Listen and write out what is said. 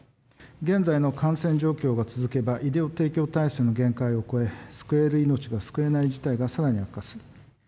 現在の感染状況が続けば、医療提供体制の限界を超え、救える命が救えない事態がさらに悪化する。